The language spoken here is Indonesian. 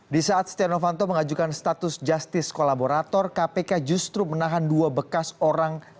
di saat setia novanto mengajukan status justice kolaborator kpk justru menahan dua bekas orang